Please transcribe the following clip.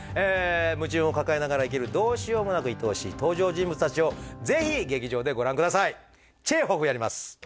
矛盾を抱えながら生きるどうしようもなくいとおしい登場人物達をぜひ劇場でご覧ください